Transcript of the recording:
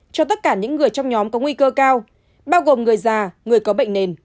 cho tất cả những người trong nhóm có nguy cơ cao bao gồm người già người có bệnh nền